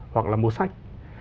hoặc là mua sách